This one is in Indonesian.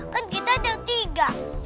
kan kita ada tiga